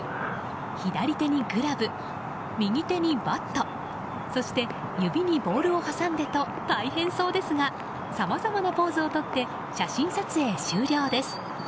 左手にグラブ、右手にバットそして指にボールを挟んでと大変そうですがさまざまなポーズを撮って写真撮影終了です。